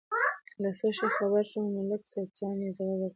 له څه شي خبر شوم، ملک سیدجان یې ځواب ورکړ.